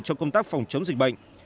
cho công tác phòng chống dịch bệnh